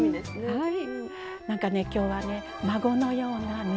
はい！